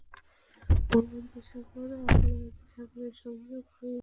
ভূমধ্যসাগর আর লোহিতসাগরের সংযোগ হয়ে ইউরোপ আর ভারতবর্ষের মধ্যে ব্যবসা-বাণিজ্যের অত্যন্ত সুবিধা হয়েছে।